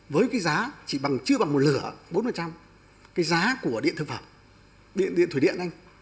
với cái giá chỉ bằng chưa bằng một lửa bốn trăm linh trăm cái giá của điện thương phẩm điện thủy điện anh